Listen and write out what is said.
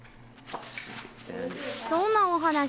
どんなお話？